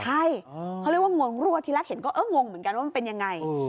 ใช่เขาเรียกว่างงรั่วที่แรกเห็นก็เอองงเหมือนกันว่ามันเป็นยังไง